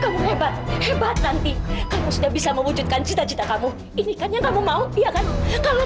kamu hebat hebat nanti kamu sudah bisa mewujudkan cita cita kamu ini kan yang kamu mau ya kan kalau